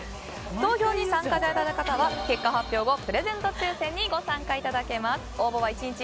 投票に参加された方は結果発表後プレゼント抽選にご参加いただけます。